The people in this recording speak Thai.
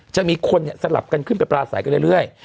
จะมีคนสลับกันขึ้นไปปราศัยกันเรื่อย